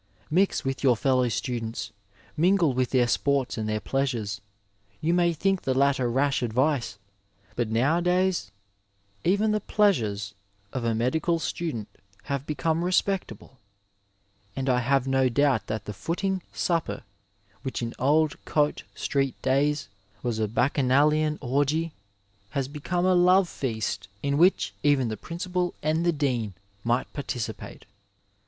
Mix with your fellow students, mingle with their sports and their pleasures. You may think the latter rash advice, but now a days even the plea sures of a medical student have become respectable, and I have no doubt that the '^ footing supper," which in old Cot6 street days was a Bacchanalian orgie, has become a love feast in which even the Principal and the Dean might participate.